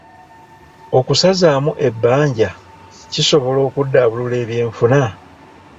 Okusazaamu ebbanja kisobola okuddaabulula ebyenfuna?